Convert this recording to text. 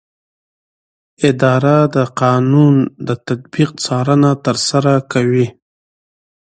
اداره د قانون د تطبیق څارنه ترسره کوي.